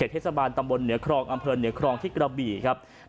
เทศบาลตำบลเหนือครองอำเภอเหนือครองที่กระบี่ครับ